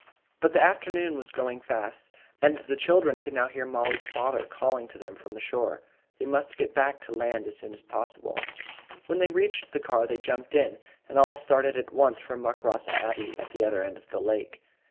But the afternoon was going fast, and the children could now hear Mollie's father calling to them from the shore. They must get back to land as soon as possible. When they reached the car, they jumped in, and all started at once for Muckross Abbey, at the other end of the lake.